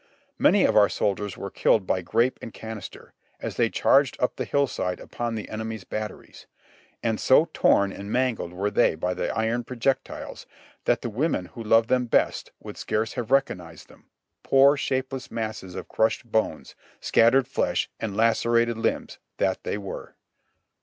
Many of our soldiers were killed by grape and canister, as they charged up the hill side upon the enemy's batteries; and so torn and mangled were they by the iron pro jectiles, that the women who loved them best would scarce have recognized them, poor, shapeless masses of crushed bones, scat tered flesh and lacerated limbs that they were